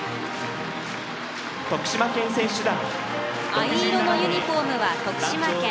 藍色のユニフォームは徳島県。